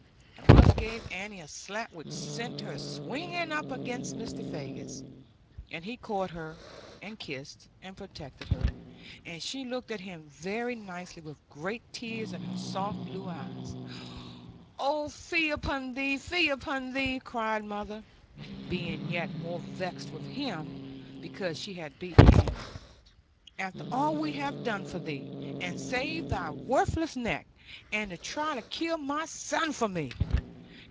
And mother gave Annie a slap which sent her swinging up against Mr. Faggus, and he caught her, and kissed and protected her, and she looked at him very nicely, with great tears in her soft blue eyes. 'Oh, fie upon thee, fie upon thee!' cried mother (being yet more vexed with him, because she had beaten Annie); 'after all we have done for thee, and saved thy worthless neck and to try to kill my son for me!